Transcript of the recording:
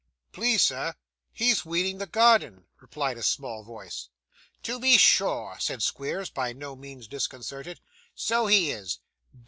'Please, sir, he's weeding the garden,' replied a small voice. 'To be sure,' said Squeers, by no means disconcerted. 'So he is.